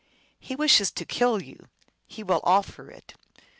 He wishes to kill you ; he will offer it.